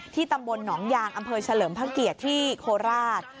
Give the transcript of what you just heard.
ตำบลหนองยางอำเภอเฉลิมพระเกียรติที่โคราช